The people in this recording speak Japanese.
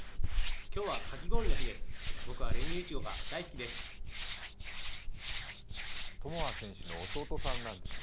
今日はかき氷の日です。